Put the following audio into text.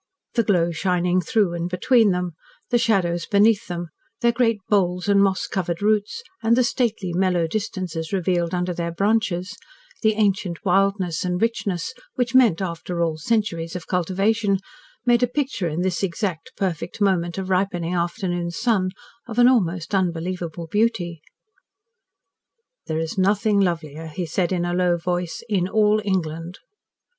The glow shining through and between them, the shadows beneath them, their great boles and moss covered roots, and the stately, mellow distances revealed under their branches, the ancient wildness and richness, which meant, after all, centuries of cultivation, made a picture in this exact, perfect moment of ripening afternoon sun of an almost unbelievable beauty. "There is nothing lovelier," he said in a low voice, "in all England."